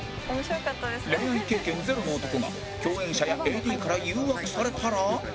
恋愛経験ゼロの男が共演者や ＡＤ から誘惑されたら？